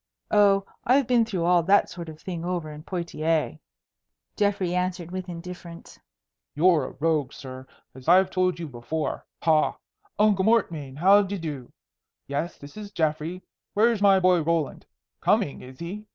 "Oh, I've been through all that sort of thing over in Poictiers," Geoffrey answered with indifference. "You're a rogue, sir, as I've told you before. Ha! Uncle Mortmain, how d'ye do? Yes, this is Geoffrey. Where's my boy Roland? Coming, is he?